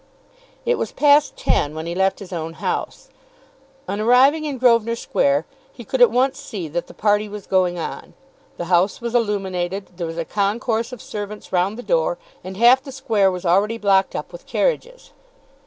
It was past ten when he left his own house. On arriving in Grosvenor Square he could at once see that the party was going on. The house was illuminated. There was a concourse of servants round the door, and half the square was already blocked up with carriages.